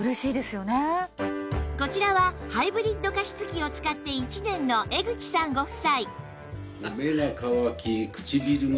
こちらはハイブッド加湿器を使って１年の江口さんご夫妻